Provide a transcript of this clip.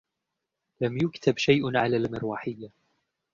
لم يكتب شيء على المروحية.